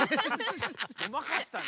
ごまかしたね。